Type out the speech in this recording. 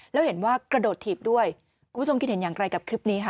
แล้วเห็นว่ากระโดดถีบด้วยคุณผู้ชมคิดเห็นอย่างไรกับคลิปนี้ค่ะ